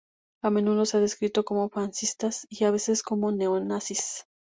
A menudo se ha descrito como Fascistas y, a veces, como Neo-nazis.